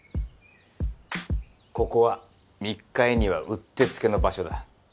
ここは密会にはうってつけの場所だ。